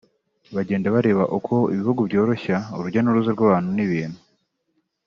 bagenda bareba uko ibihugu byoroshya urujya n’uruza rw’abantu n’ibintu